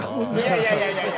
いやいやいやいや。